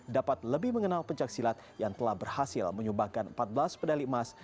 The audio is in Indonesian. dapat lebih mengenal pencaksilat yang telah berhasil menyumbangkan empat belas pedali emas